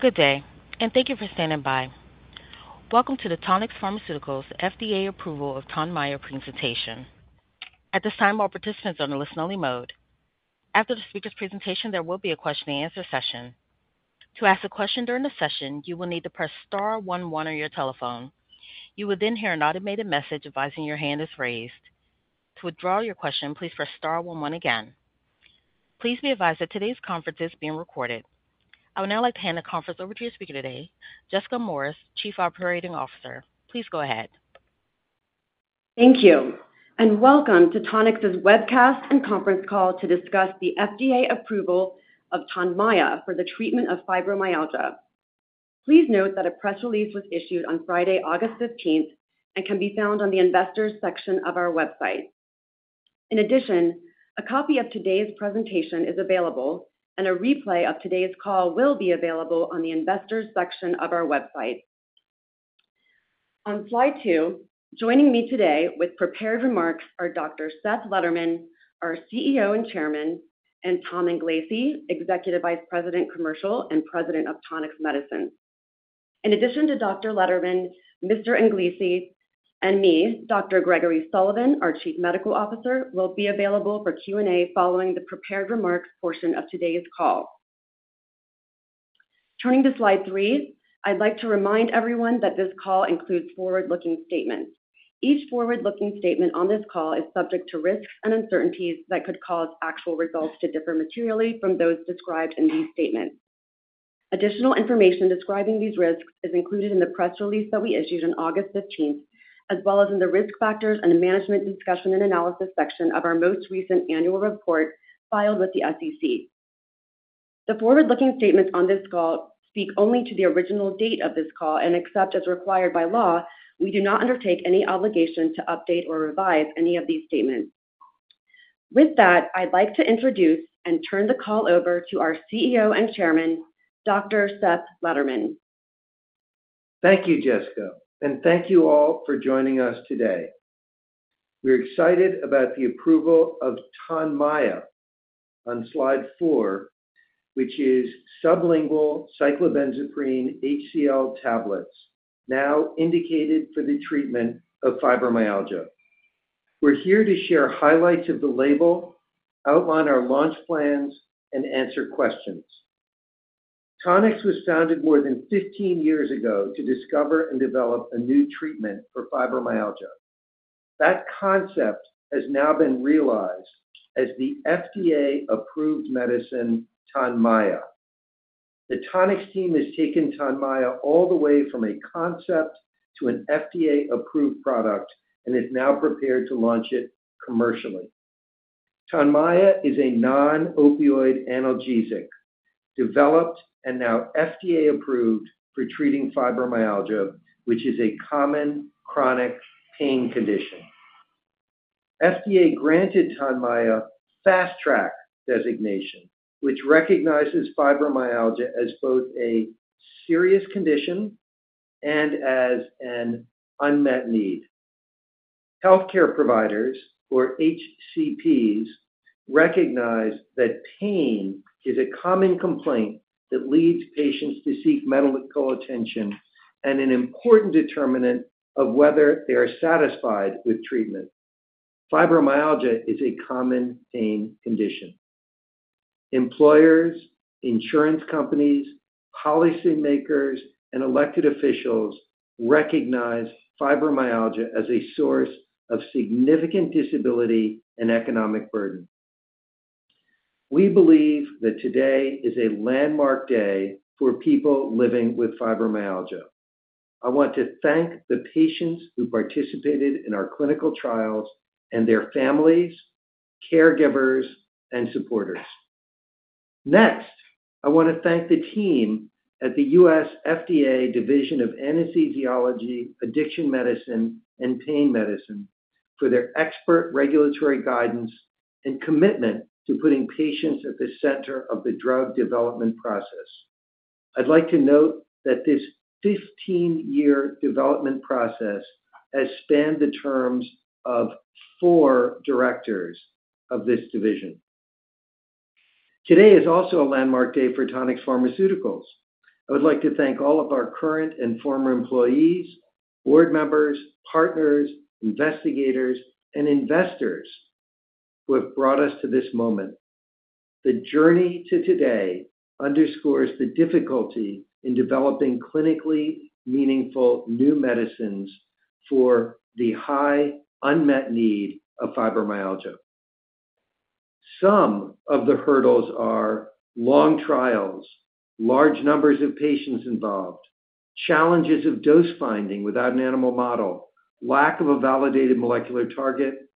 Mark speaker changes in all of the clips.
Speaker 1: Good day, and thank you for standing by. Welcome to the Tonix Pharmaceuticals FDA Approval of Tonmya Presentation. At this time, all participants are in the listen-only mode. After the speaker's presentation, there will be a question-and-answer session. To ask a question during the session, you will need to press star one one on your telephone. You will then hear an automated message advising your hand is raised. To withdraw your question, please press star one one again. Please be advised that today's conference is being recorded. I would now like to hand the conference over to your speaker today, Jessica Morris, Chief Operating Officer. Please go ahead.
Speaker 2: Thank you, and welcome to Tonix's webcast and conference call to discuss the FDA approval of Tonmya for the treatment of fibromyalgia. Please note that a press release was issued on Friday, August 15, and can be found on the Investors section of our website. In addition, a copy of today's presentation is available, and a replay of today's call will be available on the Investors section of our website. On slide two, joining me today with prepared remarks are Dr. Seth Lederman, our CEO and Chairman, and Tom Englese, Executive Vice President, Commercial and President of Tonix Medicines. In addition to Dr. Lederman, Mr. Englese, and me, Dr. Gregory Sullivan, our Chief Medical Officer, will be available for Q&A following the prepared remarks portion of today's call. Turning to slide three, I'd like to remind everyone that this call includes forward-looking statements. Each forward-looking statement on this call is subject to risks and uncertainties that could cause actual results to differ materially from those described in these statements. Additional information describing these risks is included in the press release that we issued on August 15, as well as in the Risk Factors and Management Discussion and Analysis section of our most recent annual report filed with the SEC. The forward-looking statements on this call speak only to the original date of this call, and except as required by law, we do not undertake any obligation to update or revise any of these statements. With that, I'd like to introduce and turn the call over to our CEO and Chairman, Dr. Seth Lederman..
Speaker 3: Thank you, Jessica, and thank you all for joining us today. We're excited about the approval of Tonmya on slide four, which is sublingual cyclobenzaprine HCl tablets, now indicated for the treatment of fibromyalgia. We're here to share highlights of the label, outline our launch plans, and answer questions. Tonix was founded more than 15 years ago to discover and develop a new treatment for fibromyalgia. That concept has now been realized as the FDA-approved medicine, Tonmya. The Tonix team has taken Tonmya all the way from a concept to an FDA-approved product, and is now prepared to launch it commercially. Tonmya is a non-opioid analgesic developed and now FDA-approved for treating fibromyalgia, which is a common chronic pain condition. FDA granted Tonmya Fast Track designation, which recognizes fibromyalgia as both a serious condition and as an unmet need. Healthcare providers, or HCPs, recognize that pain is a common complaint that leads patients to seek medical attention and an important determinant of whether they are satisfied with treatment. Fibromyalgia is a common pain condition. Employers, insurance companies, policymakers, and elected officials recognize fibromyalgia as a source of significant disability and economic burden. We believe that today is a landmark day for people living with fibromyalgia. I want to thank the patients who participated in our clinical trials and their families, caregivers, and supporters. Next, I want to thank the team at the U.S. FDA Division of Anesthesiology, Addiction Medicine, and Pain Medicine for their expert regulatory guidance and commitment to putting patients at the center of the drug development process. I'd like to note that this 15-year development process has spanned the terms of four directors of this division. Today is also a landmark day for Tonix Pharmaceuticals. I would like to thank all of our current and former employees, board members, partners, investigators, and investors who have brought us to this moment. The journey to today underscores the difficulty in developing clinically meaningful new medicines for the high unmet need of fibromyalgia. Some of the hurdles are long trials, large numbers of patients involved, challenges of dose finding without an animal model, lack of a validated molecular target,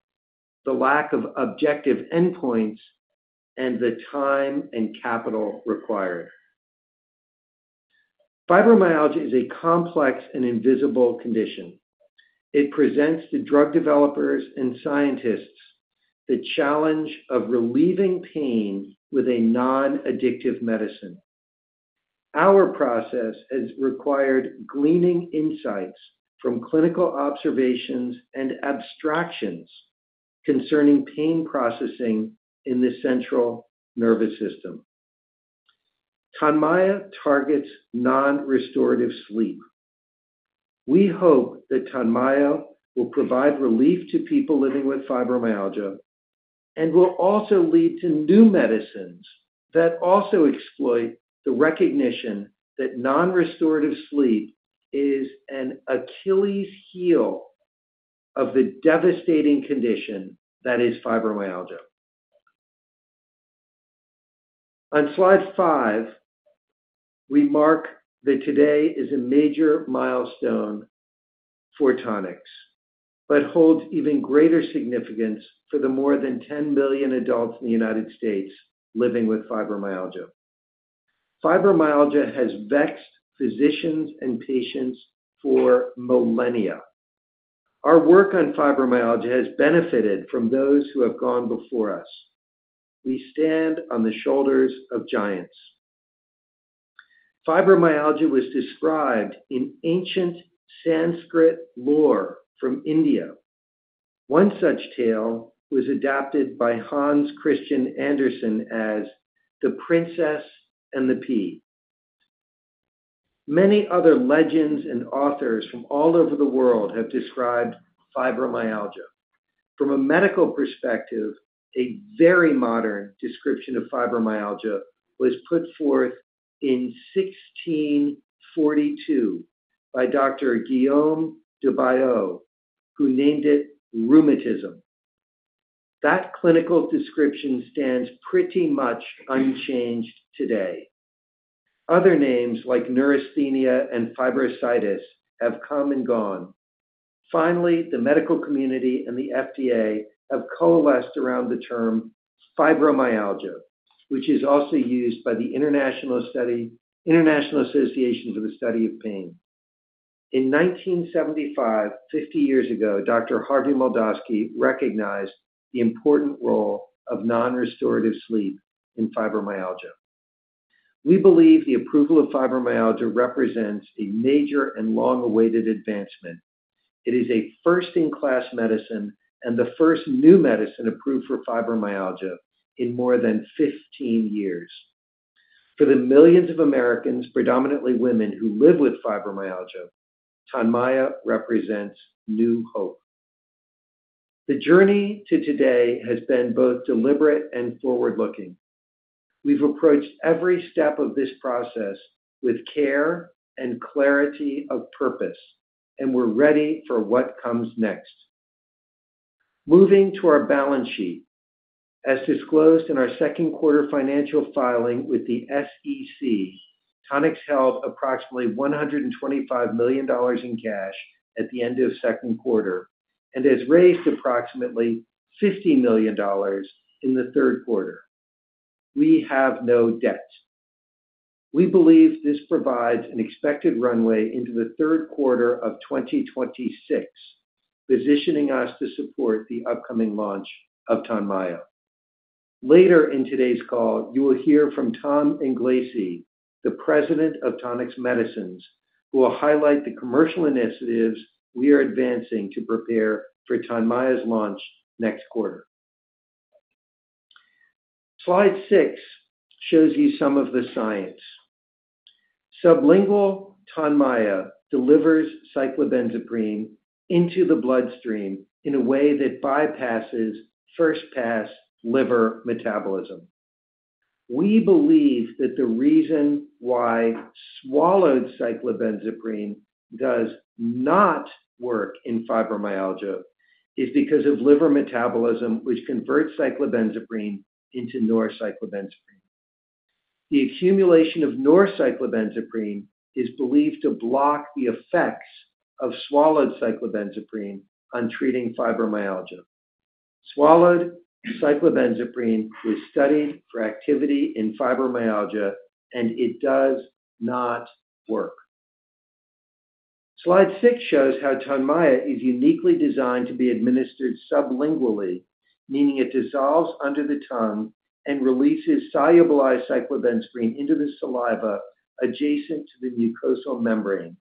Speaker 3: the lack of objective endpoints, and the time and capital required. Fibromyalgia is a complex and invisible condition. It presents to drug developers and scientists the challenge of relieving pain with a non-addictive medicine. Our process has required gleaning insights from clinical observations and abstractions concerning pain processing in the central system. Tonmya targets non-restorative sleep. We hope that Tonmya will provide relief to people living with fibromyalgia and will also lead to new medicines that also exploit the recognition that non-restorative sleep is an Achilles heel of the devastating condition that is fibromyalgia. On slide five, we mark that today is a major milestone for Tonix, but holds even greater significance for the more than 10 million adults in the U.S. living with fibromyalgia. Fibromyalgia has vexed physicians and patients for millennia. Our work on fibromyalgia has benefited from those who have gone before us. We stand on the shoulders of giants. Fibromyalgia was described in ancient Sanskrit lore from India. One such tale was adapted by Hans Christian Andersen as The Princess and the Pea. Many other legends and authors from all over the world have described fibromyalgia. From a medical perspective, a very modern description of fibromyalgia was put forth in 1642 by Dr. Guillaume de Bayeux, who named it rheumatism. That clinical description stands pretty much unchanged today. Other names like neurasthenia and fibrositis have come and gone. Finally, the medical community and the FDA have coalesced around the term fibromyalgia, which is also used by the International Association for the Study of Pain. In 1975, 50 years ago, Dr. Harvey Moldofsky recognized the important role of non-restorative sleep in fibromyalgia. We believe the approval of fibromyalgia represents a major and long-awaited advancement. It is a first-in-class medicine and the first new medicine approved for fibromyalgia in more than 15 years. For the millions of Americans, predominantly women, who live with fibromyalgia, Tonmya represents new hope. The journey to today has been both deliberate and forward-looking. We've approached every step of this process with care and clarity of purpose, and we're ready for what comes next. Moving to our balance sheet, as disclosed in our second quarter financial filing with the SEC, Tonix held approximately $125 million in cash at the end of the second quarter and has raised approximately $50 million in the third quarter. We have no debt. We believe this provides an expected runway into the third quarter of 2026, positioning us to support the upcoming launch of Tonmya. Later in today's call, you will hear from Tom Englese, the President of Tonix Medicines, who will highlight the commercial initiatives we are advancing to prepare for the Tonmya's launch next quarter. Slide six shows you some of the science. Sublingual Tonmya delivers cyclobenzaprine into the bloodstream in a way that bypasses first-pass liver metabolism. We believe that the reason why swallowed cyclobenzaprine does not work in fibromyalgia is because of liver metabolism, which converts cyclobenzaprine into norcyclobenzaprine. The accumulation of norcyclobenzaprine is believed to block the effects of swallowed cyclobenzaprine on treating fibromyalgia. Swallowed cyclobenzaprine was studied for activity in fibromyalgia, and it does not work. Slide six shows how Tonmya is uniquely designed to be administered sublingually, meaning it dissolves under the tongue and releases soluble cyclobenzaprine into the saliva adjacent to the mucosal membrane.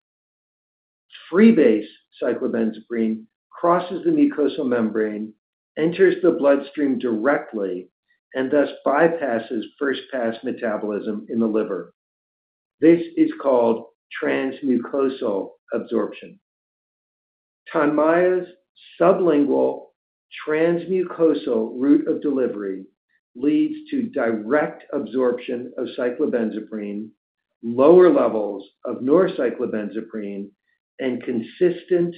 Speaker 3: Free-base cyclobenzaprine crosses the mucosal membrane, enters the bloodstream directly, and thus bypasses first-pass metabolism in the liver. This is called transmucosal absorption. Tonmya's sublingual transmucosal route of delivery leads to direct absorption of cyclobenzaprine, lower levels of norcyclobenzaprine, and consistent,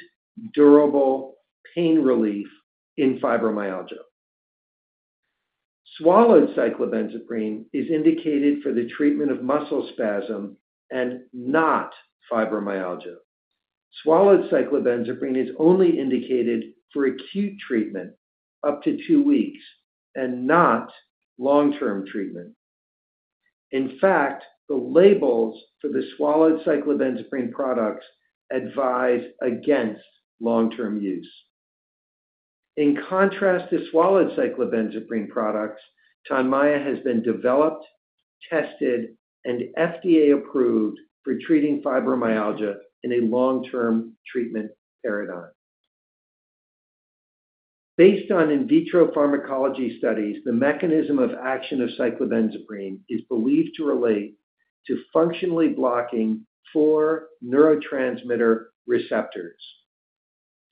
Speaker 3: durable pain relief in fibromyalgia. Swallowed cyclobenzaprine is indicated for the treatment of muscle spasm and not fibromyalgia. Swallowed cyclobenzaprine is only indicated for acute treatment up to two weeks and not long-term treatment. In fact, the labels for the swallowed cyclobenzaprine products advise against long-term use. In contrast to swallowed cyclobenzaprine products, Tonmya has been developed, tested, and FDA approved for treating fibromyalgia in a long-term treatment paradigm. Based on in vitro pharmacology studies, the mechanism of action of cyclobenzaprine is believed to relate to functionally blocking four neurotransmitter receptors: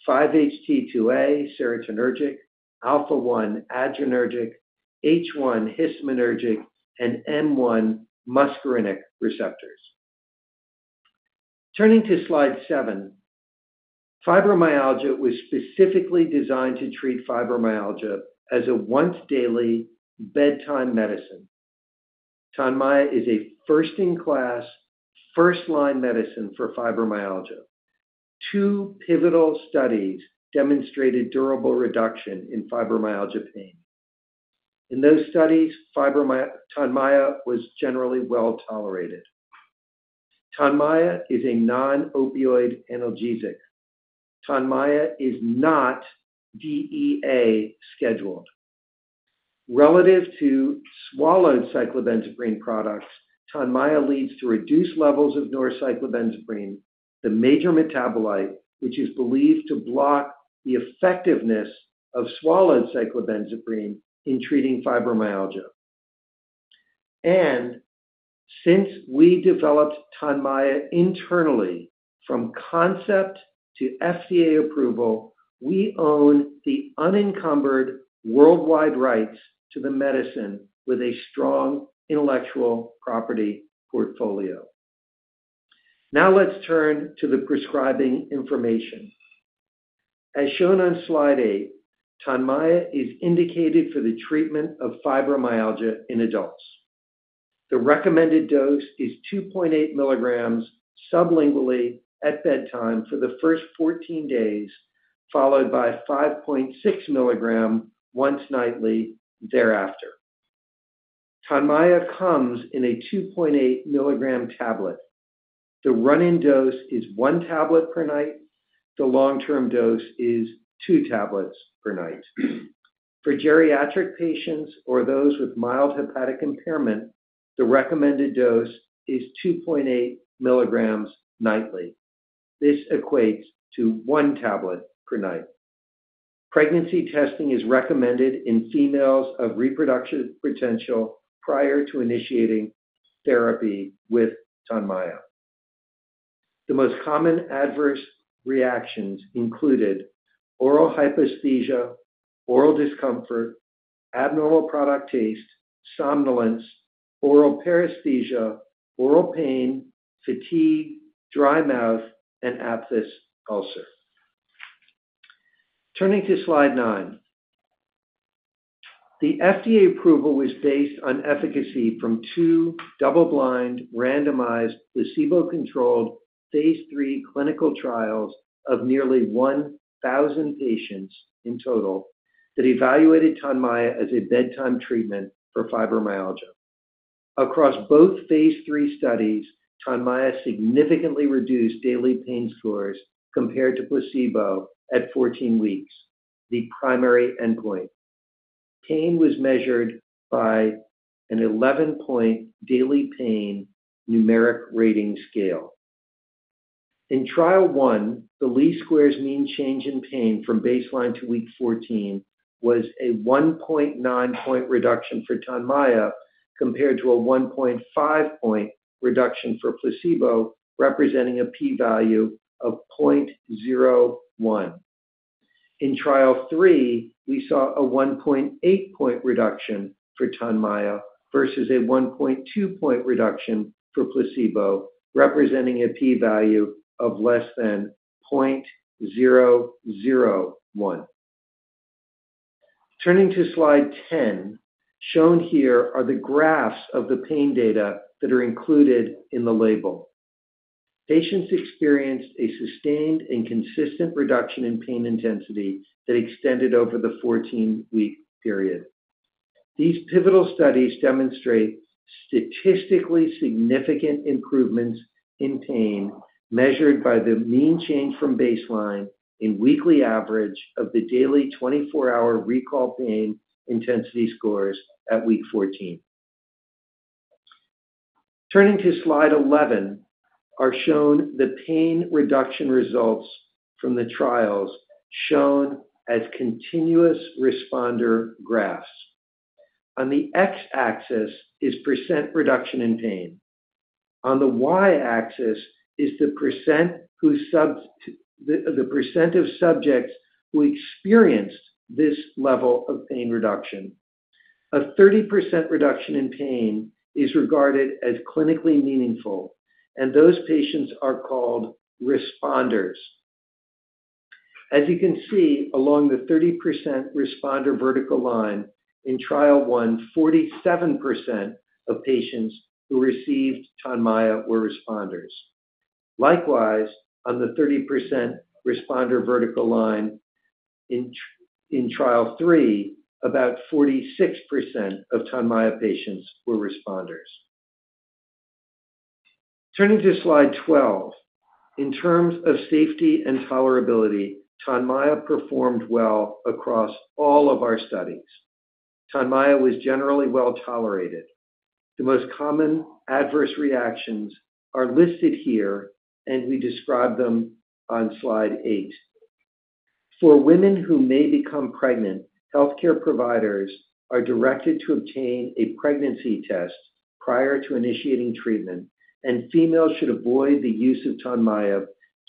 Speaker 3: 5-HT2A serotonergic, Alpha-1 adrenergic, H1 histaminergic, and M1 muscarinic receptors. Turning to slide seven, fibromyalgia was specifically designed to treat fibromyalgia as a once-daily bedtime medicine. Tonmya is a first-in-class, first-line medicine for fibromyalgia. Two pivotal studies demonstrated durable reduction in fibromyalgia pain. In those studies, Tonmya was generally well tolerated. Tonmya is a non-opioid analgesic. Tonmya is not DEA scheduled. Relative to swallowed cyclobenzaprine products, Tonmya leads to reduced levels of norcyclobenzaprine, the major metabolite, which is believed to block the effectiveness of swallowed cyclobenzaprine in treating fibromyalgia. Since we developed Tonmya internally, from concept to FDA approval, we own the unencumbered worldwide rights to the medicine with a strong intellectual property portfolio. Now let's turn to the prescribing information. As shown on slide eight, Tonmya is indicated for the treatment of fibromyalgia in adults. The recommended dose is 2.8 mg sublingually at bedtime for the first 14 days, followed by 5.6 mg once nightly thereafter. Tonmya comes in a 2.8 mg tablet. The run-in dose is one tablet per night. The long-term dose is two tablets per night. For geriatric patients or those with mild hepatic impairment, the recommended dose is 2.8 mg nightly. This equates to one tablet per night. Pregnancy testing is recommended in females of reproductive potential prior to initiating therapy with Tonmya. The most common adverse reactions included oral hypoesthesia, oral discomfort, abnormal product taste, somnolence, oral paresthesia, oral pain, fatigue, dry mouth, and aphthous ulcer. Turning to slide nine, the FDA approval was based on efficacy from two double-blind, randomized, placebo-controlled phase III clinical trials of nearly 1,000 patients in total that evaluated Tonmya as a bedtime treatment for fibromyalgia. Across both phase III studies, Tonmya significantly reduced daily pain scores compared to placebo at 14 weeks, the primary endpoint. Pain was measured by an 11-point daily pain numeric rating scale. In trial one, the least squares mean change in pain from baseline to week 14 was a 1.9-point reduction forTonmya compared to a 1.5-point reduction for placebo, representing a p-value of 0.01. In trial three, we saw a 1.8-point reduction for Tonmya versus a 1.2-point reduction for placebo, representing a p-value of less than 0.001. Turning to slide 10, shown here are the graphs of the pain data that are included in the label. Patients experienced a sustained and consistent reduction in pain intensity that extended over the 14-week period. These pivotal studies demonstrate statistically significant improvements in pain measured by the mean change from baseline in weekly average of the daily 24-hour recall pain intensity scores at week 14. Turning to slide 11, are shown the pain reduction results from the trials shown as continuous responder graphs. On the x-axis is percent reduction in pain. On the y-axis is the percent of subjects who experienced this level of pain reduction. A 30% reduction in pain is regarded as clinically meaningful, and those patients are called responders. As you can see, along the 30% responder vertical line in trial one, 47% of patients who Tonmya were responders. Likewise, on the 30% responder vertical line in trial three, about 46% Tonmya patients were responders. Turning to slide 12, in terms of safety and Tonmya performed well across all of our Tonmya was generally well tolerated. The most common adverse reactions are listed here, and we describe them on slide eight. For women who may become pregnant, healthcare providers are directed to obtain a pregnancy test prior to initiating treatment, and females should avoid the use Tonmya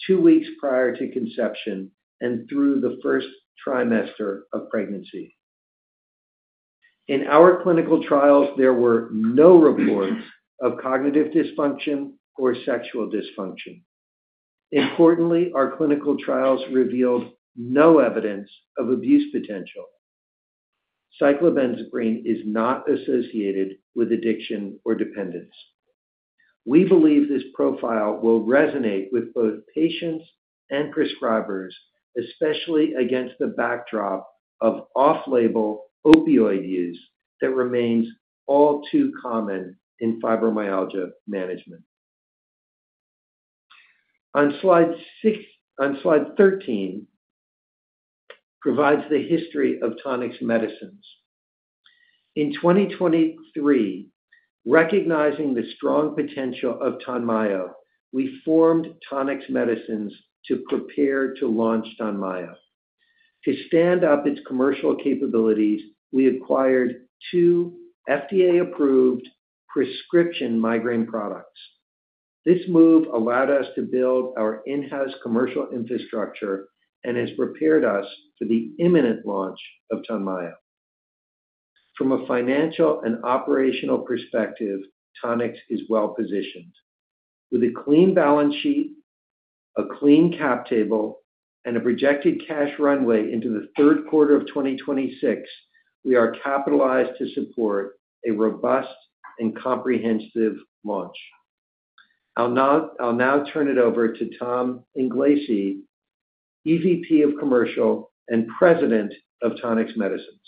Speaker 3: two weeks prior to conception and through the first trimester of pregnancy. In our clinical trials, there were no reports of cognitive dysfunction or sexual dysfunction. Importantly, our clinical trials revealed no evidence of abuse potential. Cyclobenzaprine is not associated with addiction or dependence. We believe this profile will resonate with both patients and prescribers, especially against the backdrop of off-label opioid use that remains all too common in fibromyalgia management. On slide 13, provides the history of Tonix Medicines. In 2023, recognizing the strong potential of Tonmya, we formed Tonix Medicines to prepare launch Tonmya. to stand up its commercial capabilities, we acquired two FDA-approved prescription migraine products. This move allowed us to build our in-house commercial infrastructure and has prepared us for the imminent of Tonmya. from a financial and operational perspective, Tonix is well positioned. With a clean balance sheet, a clean cap table, and a projected cash runway into the third quarter of 2026, we are capitalized to support a robust and comprehensive launch. I'll now turn it over to Tom Englese, EVP of Commercial and President of Tonix Medicines.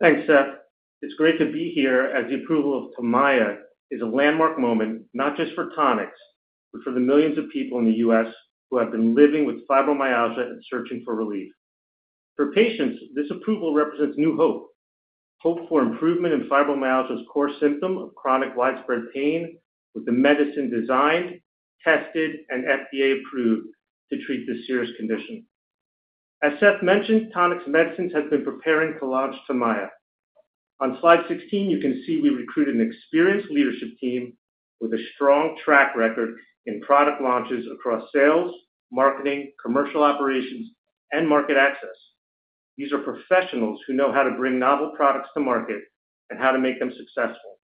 Speaker 4: Thanks, Seth. It's great to be here as the approval Tonmya is a landmark moment not just for Tonix, but for the millions of people in the U.S. who have been living with fibromyalgia and searching for relief. For patients, this approval represents new hope, hope for improvement in fibromyalgia's core symptom of chronic widespread pain, with the medicine designed, tested, and FDA approved to treat this serious condition. As Seth mentioned, Tonix Medicines has been preparing to launch Tonmya. On slide 16, you can see we recruited an experienced leadership team with a strong track record in product launches across sales, marketing, commercial operations, and market access. These are professionals who know how to bring novel products to market and how to make them successful.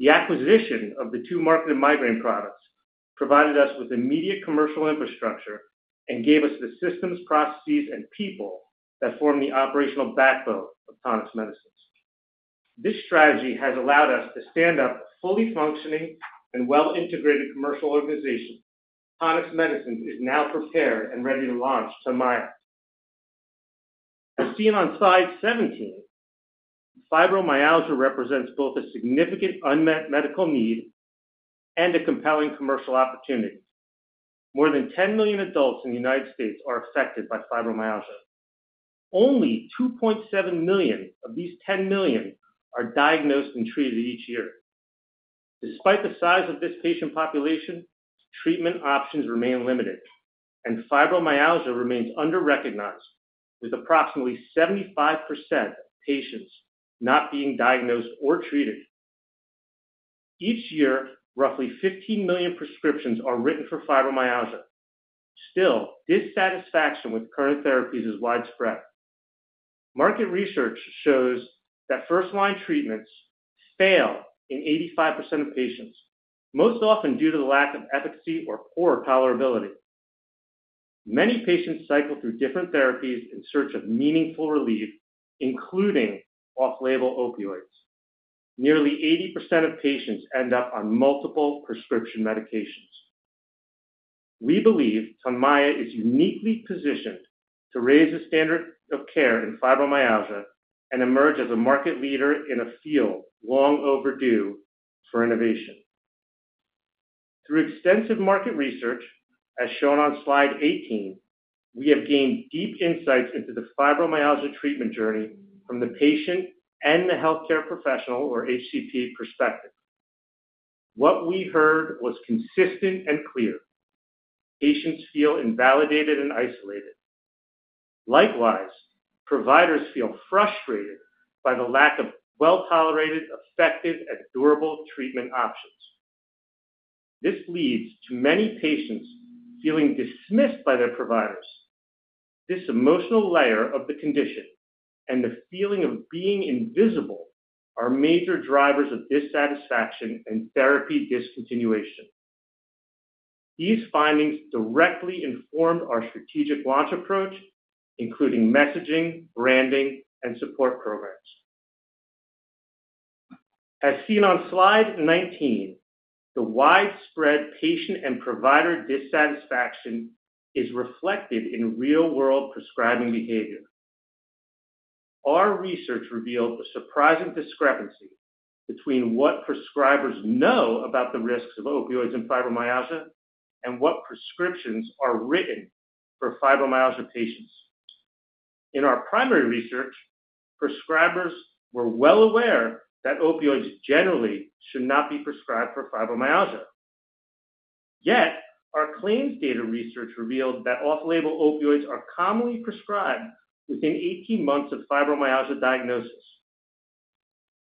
Speaker 4: The acquisition of the two marketed migraine products provided us with immediate commercial infrastructure and gave us the systems, processes, and people that form the operational backbone of Tonix Medicines. This strategy has allowed us to stand up fully functioning and well-integrated commercial organizations. Tonix Medicines is now prepared and ready to launch Tonmya. As seen on slide 17, fibromyalgia represents both a significant unmet medical need and a compelling commercial opportunity. More than 10 million adults in the United States are affected by fibromyalgia. Only 2.7 million of these 10 million are diagnosed and treated each year. Despite the size of this patient population, treatment options remain limited, and fibromyalgia remains under-recognized, with approximately 75% of patients not being diagnosed or treated. Each year, roughly 15 million prescriptions are written for fibromyalgia. Still, dissatisfaction with current therapies is widespread. Market research shows that first-line treatments fail in 85% of patients, most often due to the lack of efficacy or poor tolerability. Many patients cycle through different therapies in search of meaningful relief, including off-label opioids. Nearly 80% of patients end up on multiple prescription medications. We believe Tonmya is uniquely positioned to raise the standard of care in fibromyalgia and emerge as a market leader in a field long overdue for innovation. Through extensive market research, as shown on slide 18, we have gained deep insights into the fibromyalgia treatment journey from the patient and the healthcare professional, or HCP, perspective. What we heard was consistent and clear. Patients feel invalidated and isolated. Likewise, providers feel frustrated by the lack of well-tolerated, effective, and durable treatment options. This leads to many patients feeling dismissed by their providers. This emotional layer of the condition and the feeling of being invisible are major drivers of dissatisfaction and therapy discontinuation. These findings directly informed our strategic launch approach, including messaging, branding, and support programs. As seen on slide 19, the widespread patient and provider dissatisfaction is reflected in real-world prescribing behavior. Our research revealed a surprising discrepancy between what prescribers know about the risks of opioids and fibromyalgia and what prescriptions are written for fibromyalgia patients. In our primary research, prescribers were well aware that opioids generally should not be prescribed for fibromyalgia. Yet, our claims data research revealed that off-label opioids are commonly prescribed within 18 months of fibromyalgia diagnosis.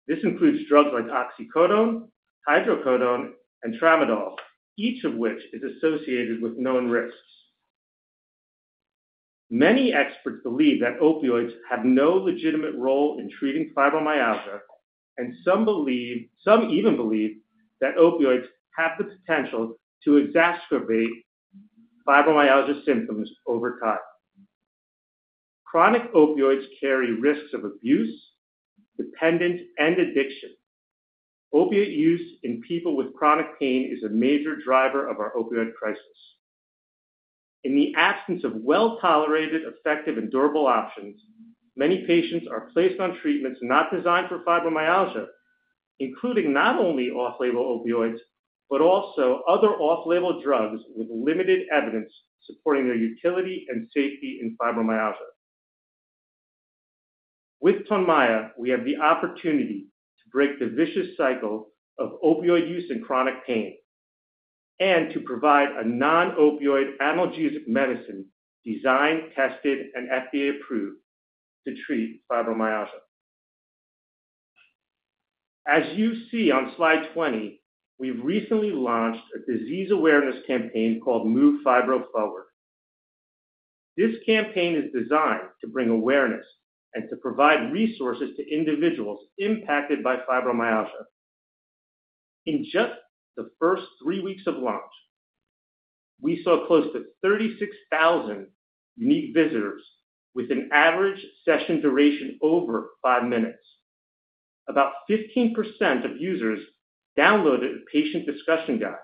Speaker 4: This includes drugs like oxycodone, hydrocodone, and tramadol, each of which is associated with known risks. Many experts believe that opioids have no legitimate role in treating fibromyalgia, and some even believe that opioids have the potential to exacerbate fibromyalgia symptoms over time. Chronic opioids carry risks of abuse, dependence, and addiction. Opioid use in people with chronic pain is a major driver of our opioid crisis. In the absence of well-tolerated, effective, and durable options, many patients are placed on treatments not designed for fibromyalgia, including not only off-label opioids but also other off-label drugs with limited evidence supporting their utility and safety in with Tonmya, we have the opportunity to break the vicious cycle of opioid use and chronic pain and to provide a non-opioid analgesic medicine designed, tested, and FDA approved to treat fibromyalgia. As you see on slide 20, we've recently launched a disease awareness campaign called Move Fibro Forward. This campaign is designed to bring awareness and to provide resources to individuals impacted by fibromyalgia. In just the first three weeks of launch, we saw close to 36,000 unique visitors with an average session duration over five minutes. About 15% of users downloaded a patient discussion guide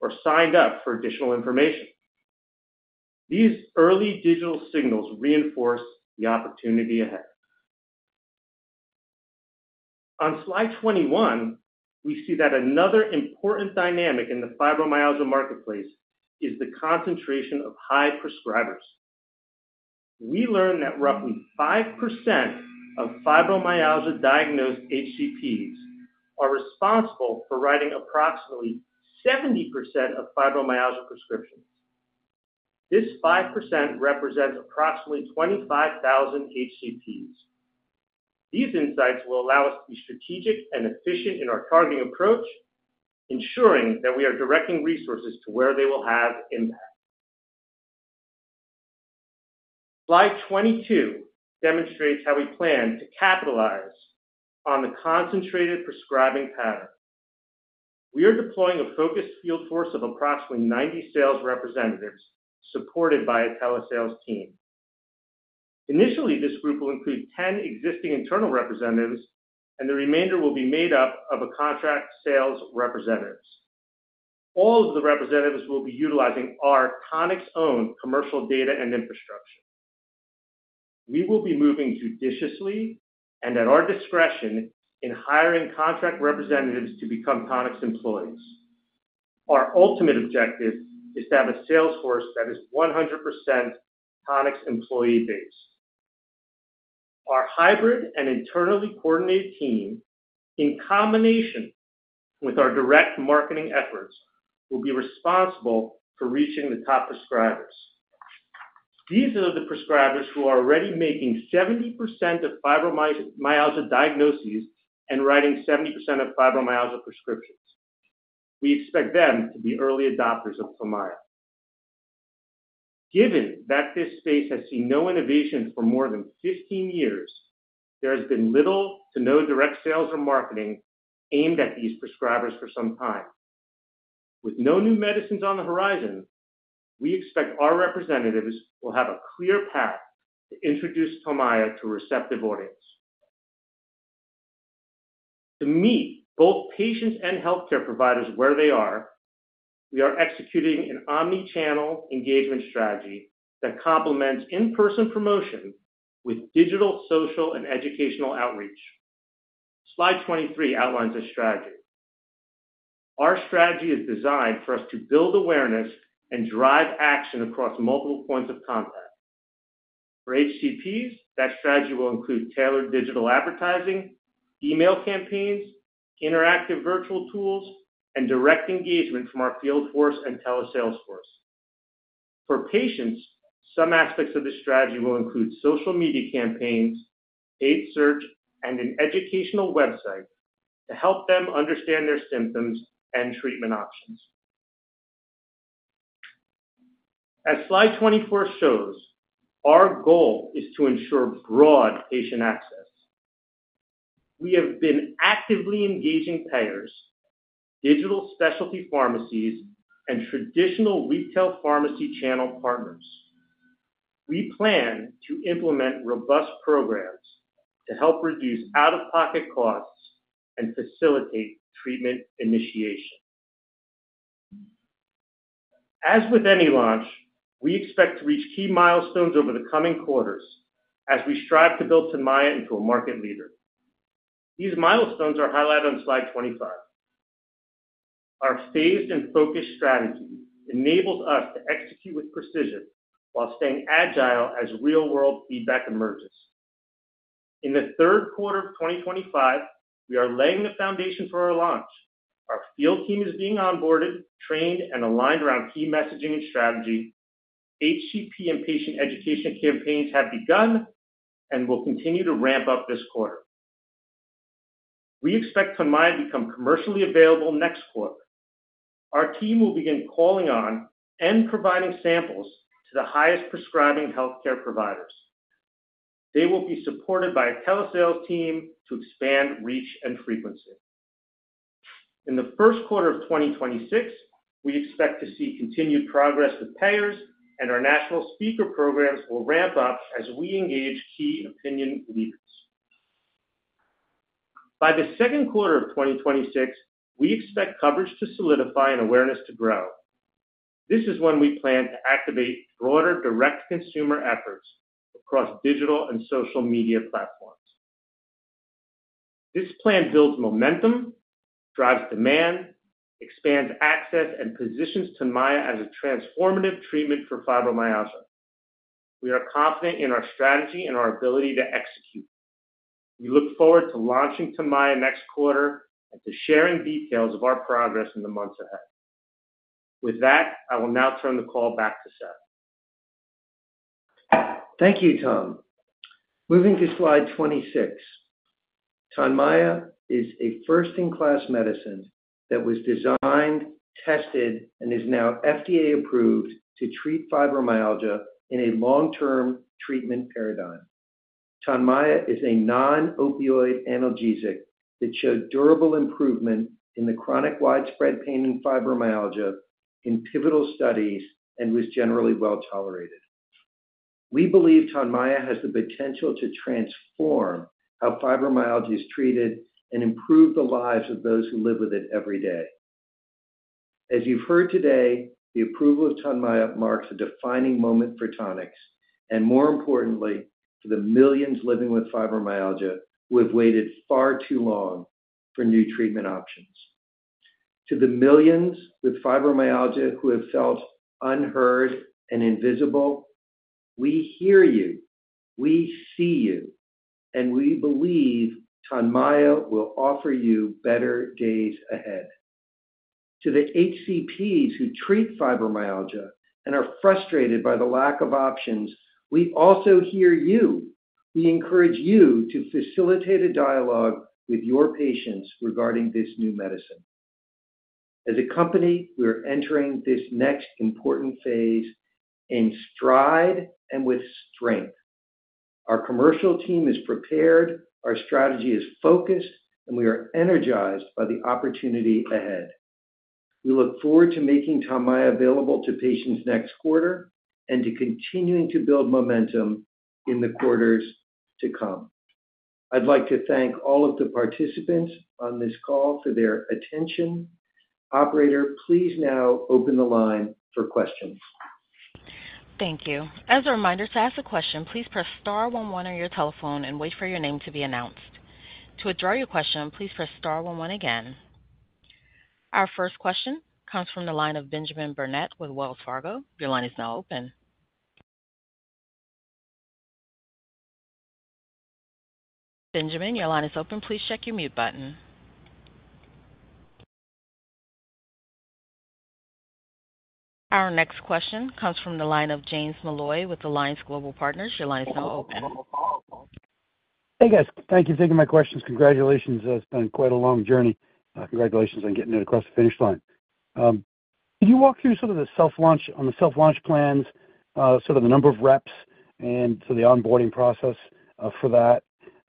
Speaker 4: or signed up for additional information. These early digital signals reinforce the opportunity ahead. On slide 21, we see that another important dynamic in the fibromyalgia marketplace is the concentration of high prescribers. We learned that roughly 5% of fibromyalgia diagnosed HCPs are responsible for writing approximately 70% of fibromyalgia prescriptions. This 5% represents approximately 25,000 HCPs. These insights will allow us to be strategic and efficient in our targeting approach, ensuring that we are directing resources to where they will have impact. Slide 22 demonstrates how we plan to capitalize on the concentrated prescribing pattern. We are deploying a focused field force of approximately 90 sales representatives, supported by a telesales team. Initially, this group will include 10 existing internal representatives, and the remainder will be made up of a contract sales representative. All of the representatives will be utilizing our Tonix-owned commercial data and infrastructure. We will be moving judiciously and at our discretion in hiring contract representatives to become Tonix employees. Our ultimate objective is to have a sales force that is 100% Tonix employee-based. Our hybrid and internally coordinated team, in combination with our direct marketing efforts, will be responsible for reaching the top prescribers. These are the prescribers who are already making 70% of fibromyalgia diagnoses and writing 70% of fibromyalgia prescriptions. We expect them to be early adopters Tonmya. Given that this space has seen no innovation for more than 15 years, there has been little to no direct sales or marketing aimed at these prescribers for some time. With no new medicines on the horizon, we expect our representatives will have a clear path to Tonmya to a receptive audience. To meet both patients and healthcare providers where they are, we are executing an omnichannel engagement strategy that complements in-person promotion with digital, social, and educational outreach. Slide 23 outlines our strategy. Our strategy is designed for us to build awareness and drive action across multiple points of contact. For HCPs, that strategy will include tailored digital advertising, email campaigns, interactive virtual tools, and direct engagement from our field force and telesales force. For patients, some aspects of this strategy will include social media campaigns, paid search, and an educational website to help them understand their symptoms and treatment options. As slide 24 shows, our goal is to ensure broad patient access. We have been actively engaging payers, digital specialty pharmacies, and traditional retail pharmacy channel partners. We plan to implement robust programs to help reduce out-of-pocket costs and facilitate treatment initiation. As with any launch, we expect to reach key milestones over the coming quarters as we strive to Tonmya into a market leader. These milestones are highlighted on slide 25. Our phased and focused strategy enables us to execute with precision while staying agile as real-world feedback emerges. In the third quarter of 2025, we are laying the foundation for our launch. Our field team is being onboarded, trained, and aligned around key messaging and strategy. HCP and patient education campaigns have begun and will continue to ramp up this quarter. We expect Tonmya to become commercially available next quarter. Our team will begin calling on and providing samples to the highest prescribing healthcare providers. They will be supported by a telesales team to expand reach and frequency. In the first quarter of 2026, we expect to see continued progress with payers, and our national speaker programs will ramp up as we engage key opinion leaders. By the second quarter of 2026, we expect coverage to solidify and awareness to grow. This is when we plan to activate broader direct consumer efforts across digital and social media platforms. This plan builds momentum, drives demand, expands access, and Tonmya as a transformative treatment for fibromyalgia. We are confident in our strategy and our ability to execute. We look forward to launching Tonmya next quarter and sharing details of our progress in the months ahead. With that, I will now turn the call back to Seth.
Speaker 3: Thank you, Tom. Moving to slide 26, Tonmya is a first-in-class medicine that was designed, tested, and is now FDA approved to treat fibromyalgia in a long-term treatment paradigm. Tonmya is a non-opioid analgesic that showed durable improvement in the chronic widespread pain and fibromyalgia in pivotal studies and was generally well tolerated. We believe Tonmya has the potential to transform how fibromyalgia is treated and improve the lives of those who live with it every day. As you've heard today, the approval of Tonmya marks a defining moment for Tonix and, more importantly, for the millions living with fibromyalgia who have waited far too long for new treatment options. To the millions with fibromyalgia who have felt unheard and invisible, we hear you, we see you, and we believe Tonmya will offer you better days ahead. To the HCPs who treat fibromyalgia and are frustrated by the lack of options, we also hear you. We encourage you to facilitate a dialogue with your patients regarding this new medicine. As a company, we are entering this next important phase in stride and with strength. Our commercial team is prepared, our strategy is focused, and we are energized by the opportunity ahead. We look forward to making Tonmya available to patients next quarter and to continuing to build momentum in the quarters to come. I'd like to thank all of the participants on this call for their attention. Operator, please now open the line for questions.
Speaker 1: Thank you. As a reminder, to ask a question, please press star one-one on your telephone and wait for your name to be announced. To withdraw your question, please press star one-one again. Our first question comes from the line of Benjamin Burnett with Wells Fargo. Your line is now open. Benjamin, your line is open. Please check your mute button. Our next question comes from the line of James Molloy with Alliance Global Partners. Your line is now open.
Speaker 5: Hey, guys. Thank you for taking my questions. Congratulations. It's been quite a long journey. Congratulations on getting it across the finish line. Could you walk through the self-launch plans, the number of reps, and the onboarding process for that?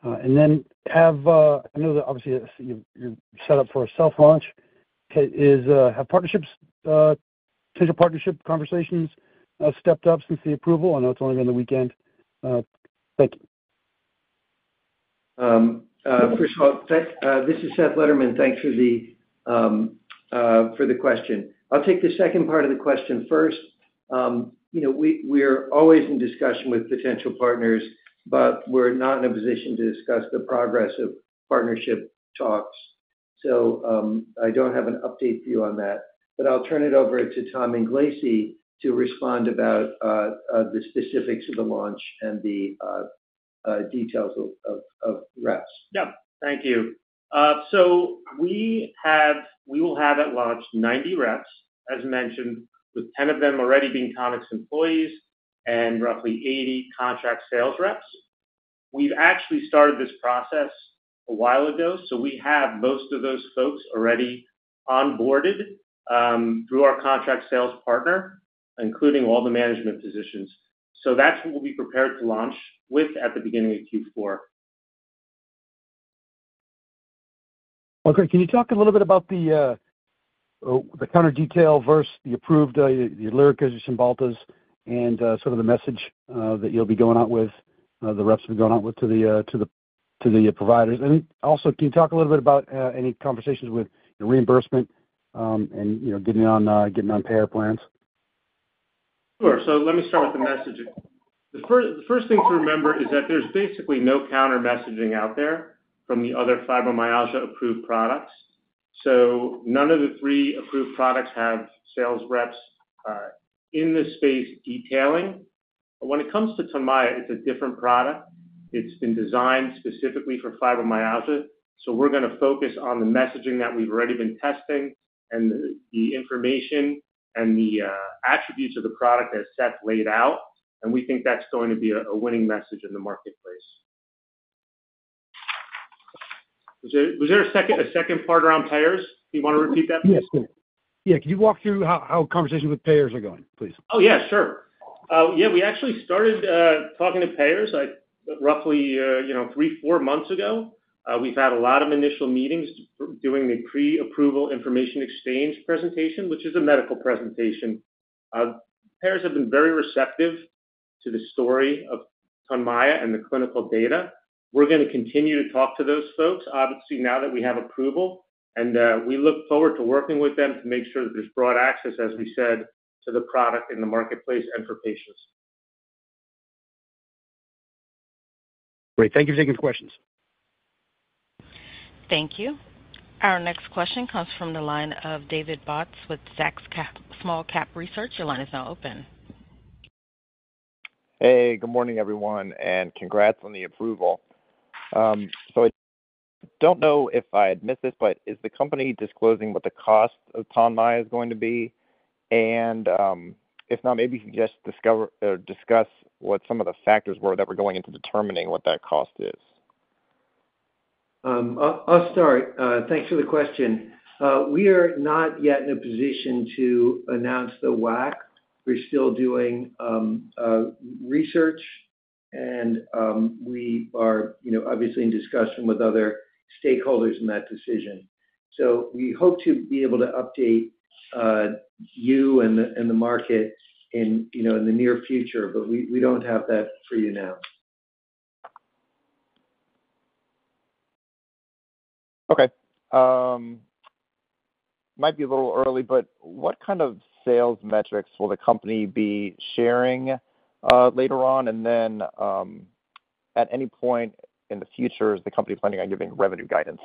Speaker 5: I know that obviously you're set up for a self-launch. Have potential partnership conversations stepped up since the approval? I know it's only been the weekend. Thank you.
Speaker 3: First of all, this is Seth Lederman. Thanks for the question. I'll take the second part of the question first. We're always in discussion with potential partners, but we're not in a position to discuss the progress of partnership talks. I don't have an update for you on that. I'll turn it over to Tom Englese to respond about the specifics of the launch and the details of reps.
Speaker 4: Thank you. We will have at launch 90 reps, as mentioned, with 10 of them already being Tonix employees and roughly 80 contract sales reps. We've actually started this process a while ago, so we have most of those folks already onboarded through our contract sales partner, including all the management positions. That's what we'll be prepared to launch with at the beginning of Q4.
Speaker 5: Can you talk a little bit about the counter detail versus the approved, the Lyricas, the Cymbaltas, and sort of the message that you'll be going out with the reps have been going out with to the providers? I mean, also, can you talk a little bit about any conversations with reimbursement and getting on payer plans?
Speaker 4: Sure. Let me start with the messaging. The first thing to remember is that there's basically no counter messaging out there from the other fibromyalgia-approved products. None of the three approved products have sales reps in this space detailing. When it comes to Cymbaltas, it's a different product. It's been designed specifically for fibromyalgia. We're going to focus on the messaging that we've already been testing and the information and the attributes of the product that Seth laid out. We think that's going to be a winning message in the marketplace. Was there a second part around payers? Do you want to repeat that?
Speaker 5: Yes, please. Yeah. Could you walk through how conversations with payers are going, please?
Speaker 4: Yeah, we actually started talking to payers like roughly three, four months ago. We've had a lot of initial meetings during the pre-approval information exchange presentation, which is a medical presentation. Payers have been very receptive to the story Tonmya and the clinical data. We're going to continue to talk to those folks, obviously, now that we have approval. We look forward to working with them to make sure that there's broad access, as we said, to the product in the marketplace and for patients.
Speaker 5: Great. Thank you for taking the questions.
Speaker 1: Thank you. Our next question comes from the line of David Bautz with Zacks Small Cap Research. Your line is now open.
Speaker 6: Hey, good morning, everyone, and congrats on the approval. I don't know if I had missed this, but is the company disclosing what the cost Tonmya is going to be? If not, maybe you can just discuss what some of the factors were that were going into determining what that cost is.
Speaker 3: Thanks for the question. We are not yet in a position to announce the WAC. We're still doing research, and we are obviously in discussion with other stakeholders in that decision. We hope to be able to update you and the market in the near future, but we don't have that for you now.
Speaker 6: Okay. Might be a little early, but what kind of sales metrics will the company be sharing later on? At any point in the future, is the company planning on giving revenue guidance?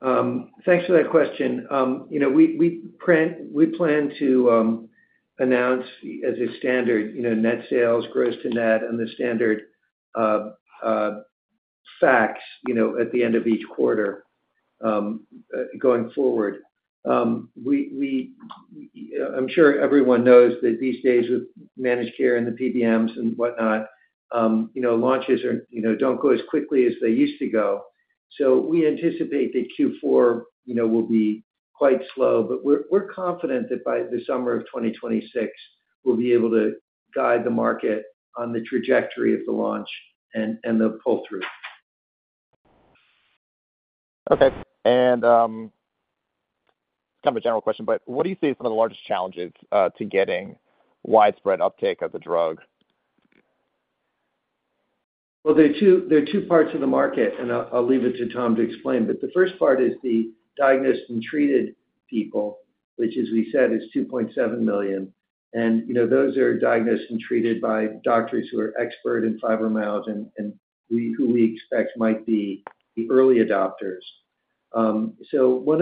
Speaker 3: Thanks for that question. We plan to announce, as a standard, net sales, gross to net, and the standard facts at the end of each quarter going forward. I'm sure everyone knows that these days with managed care and the PBMs and whatnot, launches don't go as quickly as they used to go. We anticipate that Q4 will be quite slow, but we're confident that by the summer of 2026, we'll be able to guide the market on the trajectory of the launch and the pull-through.
Speaker 6: Okay. What do you see as some of the largest challenges to getting widespread uptake of the drug?
Speaker 3: There are two parts of the market, and I'll leave it to Tom to explain. The first part is the diagnosed and treated people, which, as we said, is 2.7 million. Those are diagnosed and treated by doctors who are expert in fibromyalgia and who we expect might be the early adopters. One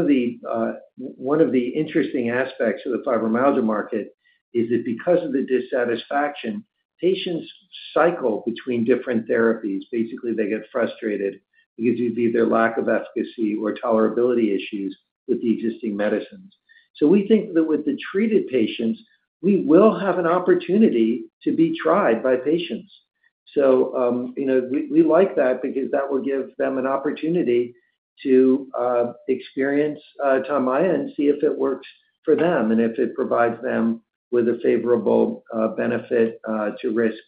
Speaker 3: of the interesting aspects of the fibromyalgia market is that because of the dissatisfaction, patients cycle between different therapies. Basically, they get frustrated because of either lack of efficacy or tolerability issues with the existing medicines. We think that with the treated patients, we will have an opportunity to be tried by patients. We like that because that will give them an opportunity to Tonmya and see if it works for them and if it provides them with a favorable benefit-to-risk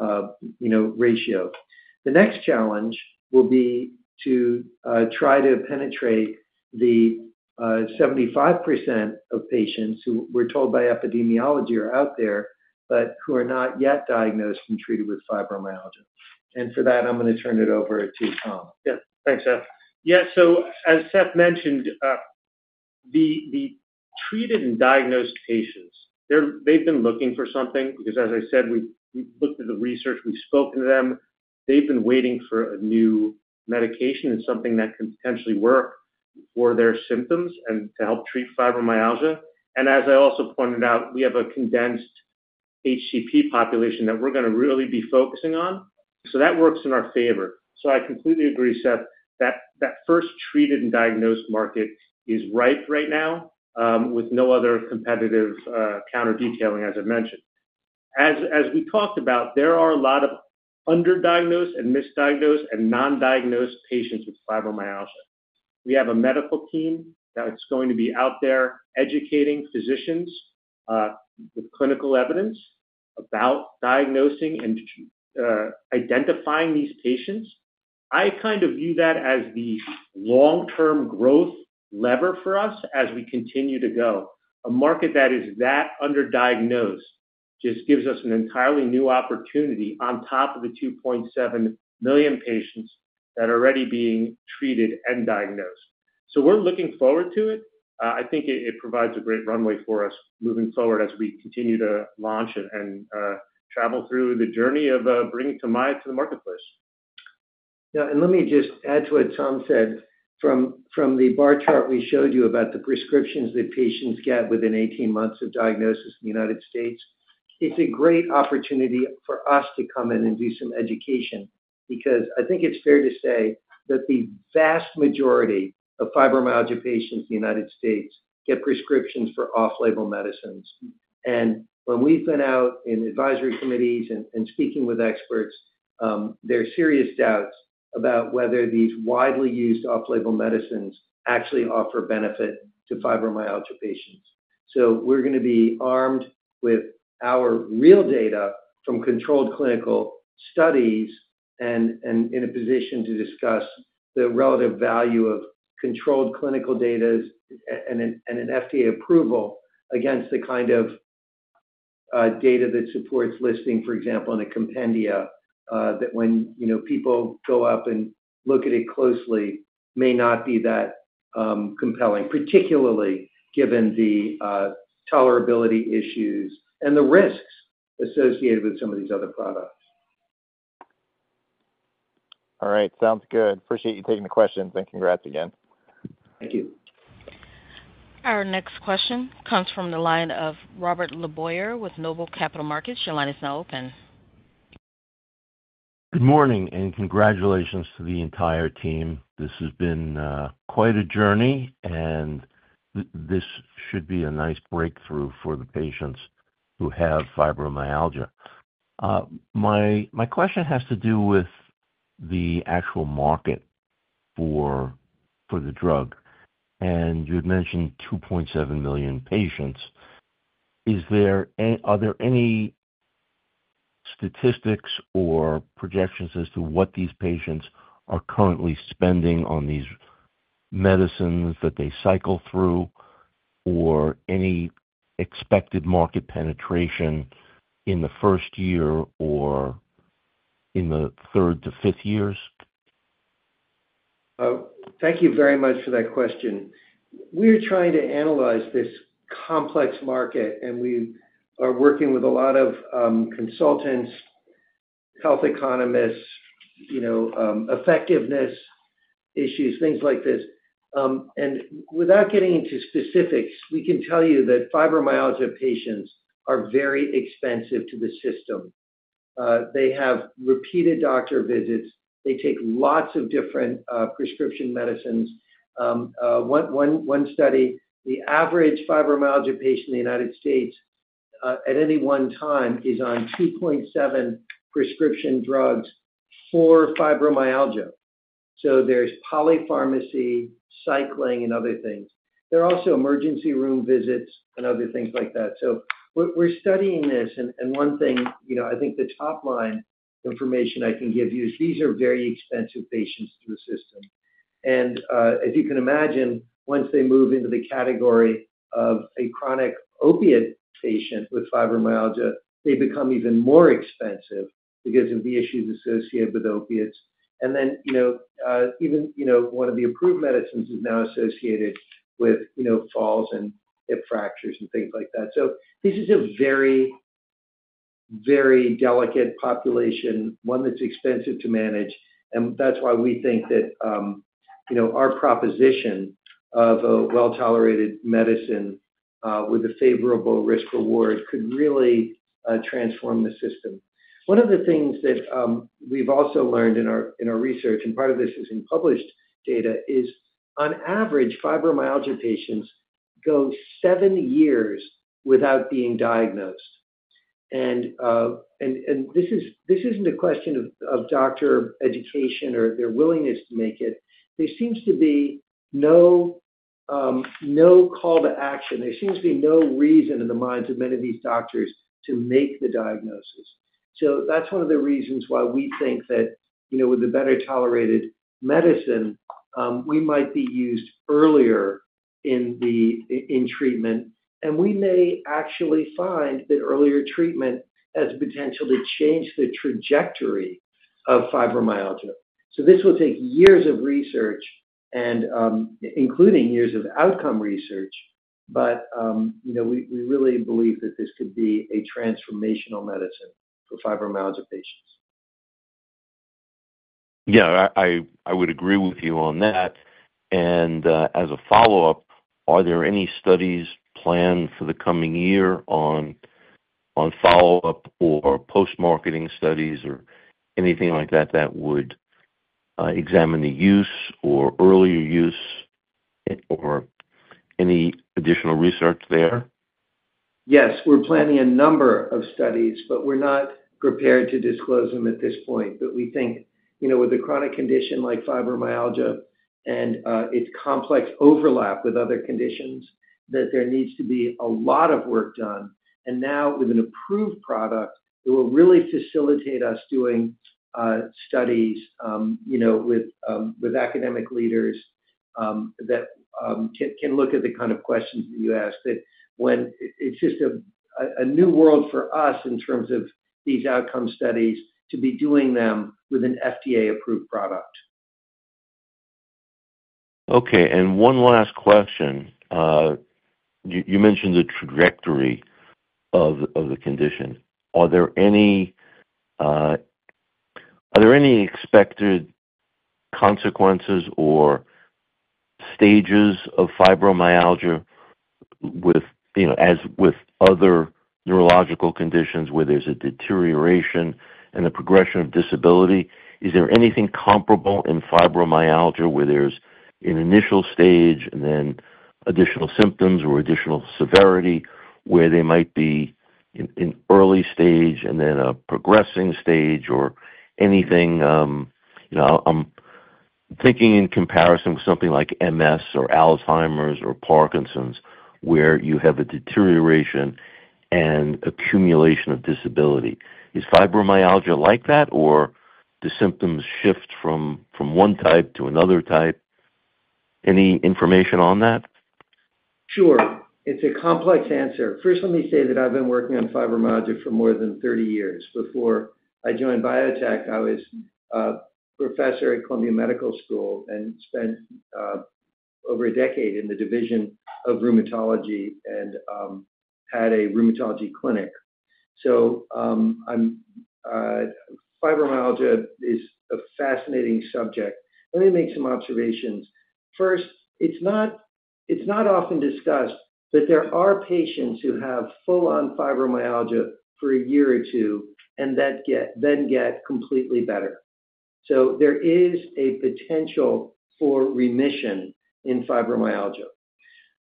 Speaker 3: ratio. The next challenge will be to try to penetrate the 75% of patients who we're told by epidemiology are out there, but who are not yet diagnosed and treated with fibromyalgia. For that, I'm going to turn it over to Tom.
Speaker 4: Yeah. Thanks, Seth. Yeah. As Seth mentioned, the treated and diagnosed patients, they've been looking for something because, as I said, we've looked at the research, we've spoken to them. They've been waiting for a new medication and something that could potentially work for their symptoms and help treat fibromyalgia. As I also pointed out, we have a condensed HCP population that we're going to really be focusing on. That works in our favor. I completely agree, Seth. That first treated and diagnosed market is ripe right now with no other competitive counter detailing, as I mentioned. As we talked about, there are a lot of underdiagnosed and misdiagnosed and non-diagnosed patients with fibromyalgia. We have a medical team that's going to be out there educating physicians with clinical evidence about diagnosing and identifying these patients. I kind of view that as the long-term growth lever for us as we continue to go. A market that is that underdiagnosed just gives us an entirely new opportunity on top of the 2.7 million patients that are already being treated and diagnosed. We're looking forward to it. I think it provides a great runway for us moving forward as we continue to launch and travel through the journey of Tonmya to the marketplace.
Speaker 3: Yeah. Let me just add to what Tom said. From the bar chart we showed you about the prescriptions that patients get within 18 months of diagnosis in the United States, it's a great opportunity for us to come in and do some education because I think it's fair to say that the vast majority of fibromyalgia patients in the United States get prescriptions for off-label medicines. When we've been out in advisory committees and speaking with experts, there are serious doubts about whether these widely used off-label medicines actually offer benefit to fibromyalgia patients. We're going to be armed with our real data from controlled clinical studies and in a position to discuss the relative value of controlled clinical data and an FDA approval against the kind of data that supports listing, for example, in a compendia, that when people fill up and look at it closely, may not be that compelling, particularly given the tolerability issues and the risks associated with some of these other products.
Speaker 6: All right. Sounds good. Appreciate you taking the questions and congrats again.
Speaker 3: Thank you.
Speaker 1: Our next question comes from the line of Robert LeBoyer with Noble Capital Markets. Your line is now open.
Speaker 7: Good morning, and congratulations to the entire team. This has been quite a journey, and this should be a nice breakthrough for the patients who have fibromyalgia. My question has to do with the actual market for the drug. You had mentioned 2.7 million patients. Are there any statistics or projections as to what these patients are currently spending on these medicines that they cycle through, or any expected market penetration in the first year or in the third to fifth years?
Speaker 3: Oh, thank you very much for that question. We are trying to analyze this complex market, and we are working with a lot of consultants, health economists, effectiveness issues, things like this. Without getting into specifics, we can tell you that fibromyalgia patients are very expensive to the system. They have repeated doctor visits. They take lots of different prescription medicines. One study, the average fibromyalgia patient in the United States at any one time is on 2.7 prescription drugs for fibromyalgia. There's polypharmacy, cycling, and other things. There are also emergency room visits and other things like that. We're studying this. I think the top-line information I can give you is these are very expensive patients to the system. As you can imagine, once they move into the category of a chronic opiate patient with fibromyalgia, they become even more expensive because of the issues associated with opiates. Even one of the approved medicines is now associated with falls and hip fractures and things like that. This is a very, very delicate population, one that's expensive to manage. That's why we think that our proposition of a well-tolerated medicine with a favorable risk-reward could really transform the system. One of the things that we've also learned in our research, and part of this is in published data, is on average, fibromyalgia patients go seven years without being diagnosed. This isn't a question of doctor education or their willingness to make it. There seems to be no call to action. There seems to be no reason in the minds of many of these doctors to make the diagnosis. That's one of the reasons why we think that with a better tolerated medicine, we might be used earlier in treatment. We may actually find that earlier treatment has the potential to change the trajectory of fibromyalgia. This will take years of research, including years of outcome research. We really believe that this could be a transformational medicine for fibromyalgia patients.
Speaker 7: I would agree with you on that. As a follow-up, are there any studies planned for the coming year on follow-up or post-marketing studies or anything like that that would examine the use or earlier use or any additional research there?
Speaker 3: Yes, we're planning a number of studies, but we're not prepared to disclose them at this point. We think with a chronic condition like fibromyalgia and its complex overlap with other conditions, that there needs to be a lot of work done. Now, with an approved product, it will really facilitate us doing studies with academic leaders that can look at the kind of questions that you asked. It's just a new world for us in terms of these outcome studies to be doing them with an FDA-approved product.
Speaker 7: Okay. One last question. You mentioned the trajectory of the condition. Are there any expected consequences or stages of fibromyalgia, as with other neurological conditions where there's a deterioration and the progression of disability? Is there anything comparable in fibromyalgia where there's an initial stage and then additional symptoms or additional severity where they might be in an early stage and then a progressing stage or anything? I'm thinking in comparison with something like MS or Alzheimer's or Parkinson's where you have a deterioration and accumulation of disability. Is fibromyalgia like that, or do symptoms shift from one type to another type? Any information on that?
Speaker 3: Sure. It's a complex answer. First, let me say that I've been working on fibromyalgia for more than 30 years. Before I joined biotech, I was a professor at Columbia Medical School and spent over a decade in the Division of Rheumatology and had a rheumatology clinic. Fibromyalgia is a fascinating subject. Let me make some observations. First, it's not often discussed, but there are patients who have full-on fibromyalgia for a year or two and then get completely better. There is a potential for remission in fibromyalgia.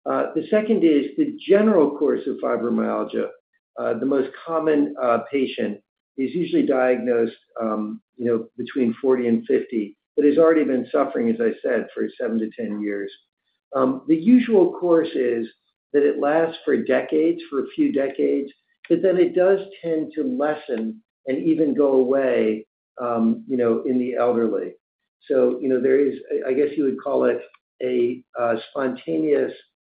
Speaker 3: The second is the general course of fibromyalgia. The most common patient is usually diagnosed, you know, between 40 and 50, but has already been suffering, as I said, for 7-10 years. The usual course is that it lasts for decades, for a few decades, but then it does tend to lessen and even go away, you know, in the elderly. There is, I guess you would call it a spontaneous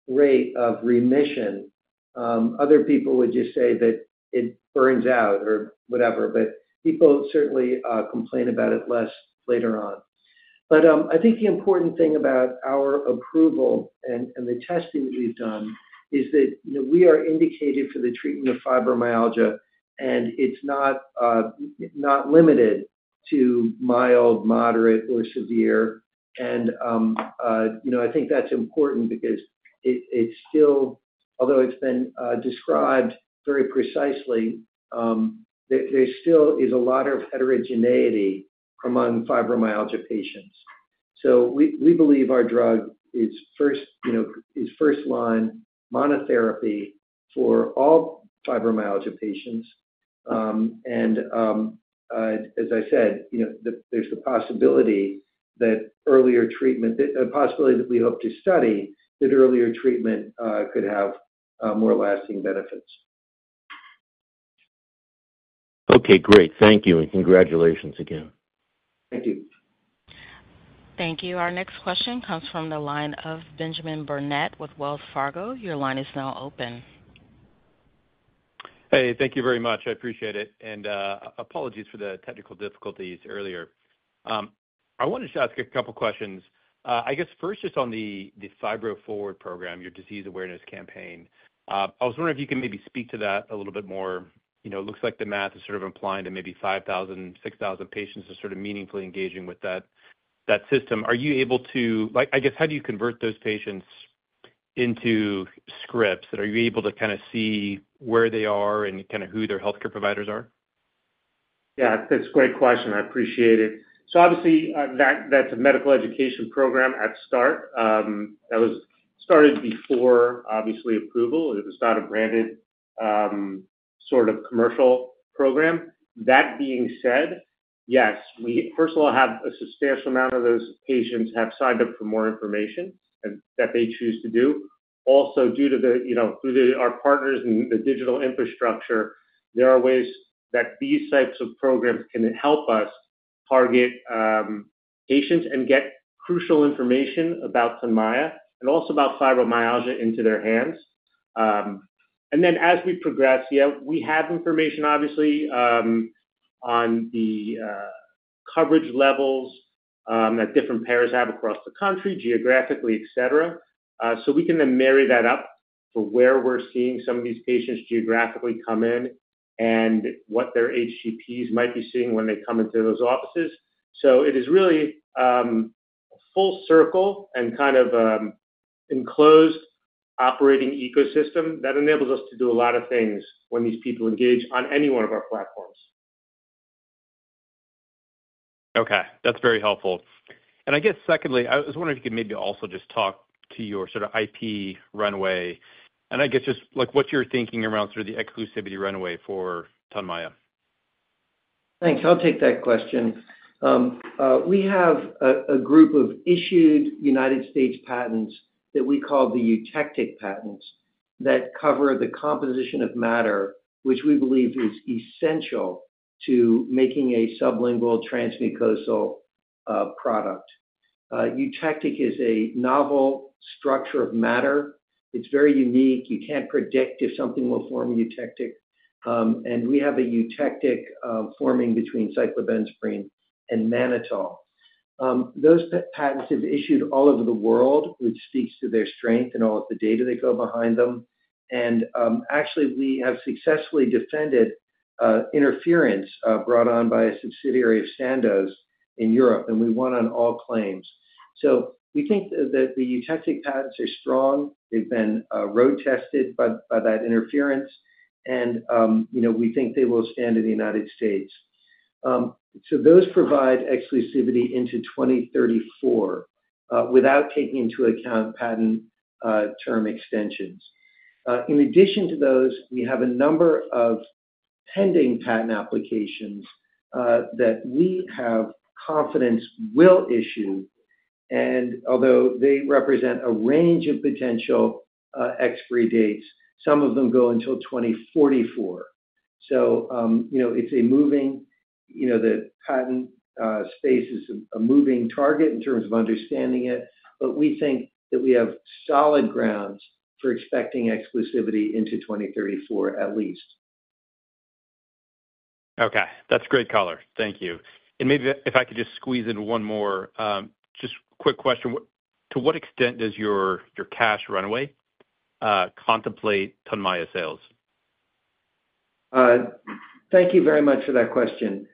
Speaker 3: rate of remission. Other people would just say that it burns out or whatever, but people certainly complain about it less later on. I think the important thing about our approval and the testing that we've done is that we are indicated for the treatment of fibromyalgia, and it's not limited to mild, moderate, or severe. I think that's important because it's still, although it's been described very precisely, there still is a lot of heterogeneity among fibromyalgia patients. We believe our drug is first-line monotherapy for all fibromyalgia patients. As I said, there's the possibility that earlier treatment, a possibility that we hope to study, that earlier treatment could have more lasting benefits.
Speaker 7: Okay, great. Thank you and congratulations again.
Speaker 3: Thank you.
Speaker 1: Thank you. Our next question comes from the line of Benjamin Burnett with Wells Fargo. Your line is now open.
Speaker 8: Hey, thank you very much. I appreciate it. Apologies for the technical difficulties earlier. I wanted to ask a couple of questions. I guess first, just on the Move Fibro Forward program, your disease awareness campaign, I was wondering if you could maybe speak to that a little bit more. It looks like the math is sort of implying that maybe 5,000, 6,000 patients are sort of meaningfully engaging with that system. Are you able to, like, I guess, how do you convert those patients into scripts? Are you able to kind of see where they are and kind of who their healthcare providers are?
Speaker 4: Yeah, that's a great question. I appreciate it. Obviously, that's a medical education program at start. That was started before, obviously, approval. It was not a branded sort of commercial program. That being said, yes, we first of all have a substantial amount of those patients have signed up for more information that they choose to do. Also, due to the, you know, through our partners and the digital infrastructure, there are ways that these types of programs can help us target patients and get crucial information Tonmya and also about fibromyalgia into their hands. As we progress, we have information, obviously, on the coverage levels that different payers have across the country, geographically, etc. We can then marry that up for where we're seeing some of these patients geographically come in and what their HCPs might be seeing when they come into those offices. It is really a full circle and kind of enclosed operating ecosystem that enables us to do a lot of things when these people engage on any one of our platforms.
Speaker 8: Okay. That's very helpful. I was wondering if you could maybe also just talk to your sort of IP runway and just like what you're thinking around sort of the exclusivity runway for Tonmya?
Speaker 3: Thanks. I'll take that question. We have a group of issued United States patents that we call the eutectic patents that cover the composition of matter, which we believe is essential to making a sublingual transmucosal product. Eutectic is a novel structure of matter. It's very unique. You can't predict if something will form eutectic. We have a eutectic forming between cyclobenzaprine and mannitol. Those patents have been issued all over the world, which speaks to their strength and all of the data that go behind them. We have successfully defended interference brought on by a subsidiary of Sandoz in Europe, and we won on all claims. We think that the eutectic patents are strong. They've been road-tested by that interference, and we think they will stand in the United States. Those provide exclusivity into 2034 without taking into account patent term extensions. In addition to those, we have a number of pending patent applications that we have confidence will issue. Although they represent a range of potential expiry dates, some of them go until 2044. The patent space is a moving target in terms of understanding it, but we think that we have solid grounds for expecting exclusivity into 2034 at least.
Speaker 8: Okay. That's a great color. Thank you. Maybe if I could just squeeze in one more quick question. To what extent does your cash runway Tonmya sales?
Speaker 3: Thank you very much for that question.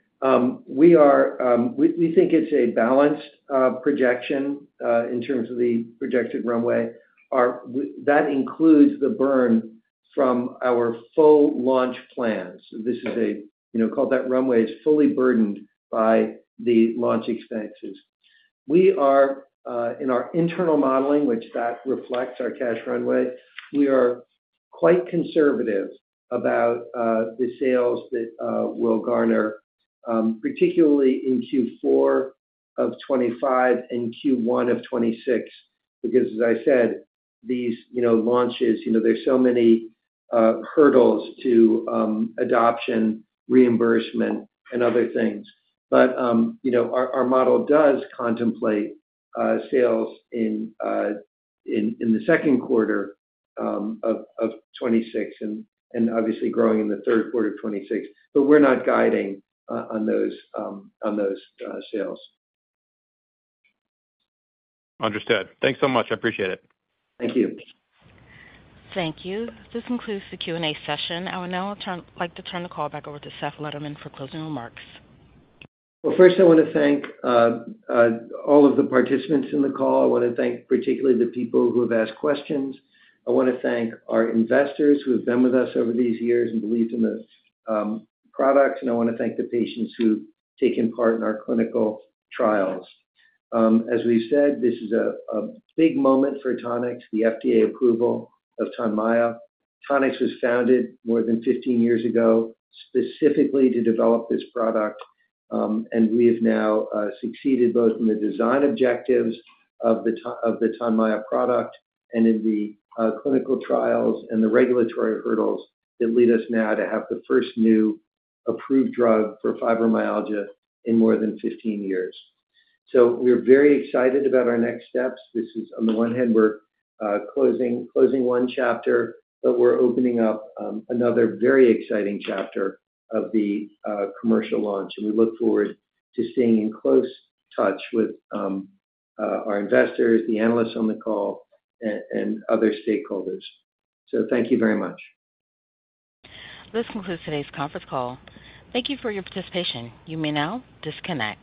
Speaker 3: We think it's a balanced projection in terms of the projected runway. That includes the burn from our full launch plans. Call that runway is fully burdened by the launch expenses. In our internal modeling, which reflects our cash runway, we are quite conservative about the sales that will garner, particularly in Q4 of 2025 and Q1 of 2026, because, as I said, these launches, there are so many hurdles to adoption, reimbursement, and other things. Our model does contemplate sales in the second quarter of 2026 and obviously growing in the third quarter of 2026, but we're not guiding on those sales.
Speaker 8: Understood. Thanks so much. I appreciate it.
Speaker 3: Thank you.
Speaker 1: Thank you. This concludes the Q&A session. I would now like to turn the call back over to Seth Lederman for closing remarks.
Speaker 3: First, I want to thank all of the participants in the call. I want to thank particularly the people who have asked questions. I want to thank our investors who have been with us over these years and believed in the products, and I want to thank the patients who have taken part in our clinical trials. As we said, this is a big moment for Tonix, the FDA of Tonmya. Tonix was founded more than 15 years ago specifically to develop this product, and we have now succeeded both in the design objectives of Tonmya product and in the clinical trials and the regulatory hurdles that lead us now to have the first new approved drug for fibromyalgia in more than 15 years. We are very excited about our next steps. On the one hand, we're closing one chapter, but we're opening up another very exciting chapter of the commercial launch. We look forward to staying in close touch with our investors, the analysts on the call, and other stakeholders. Thank you very much.
Speaker 1: This concludes today's conference call. Thank you for your participation. You may now disconnect.